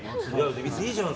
別にいいじゃん